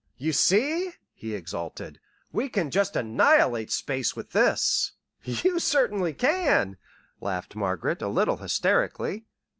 "You see," he exulted, "we can just annihilate space with this!" "You certainly can," laughed Margaret, a little hysterically.